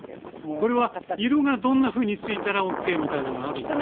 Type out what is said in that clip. これは色がどんなふうについたらＯＫみたいなのがあるんですか？